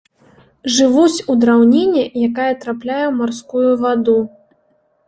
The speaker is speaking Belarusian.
Жывуць у драўніне, якая трапляе ў марскую ваду.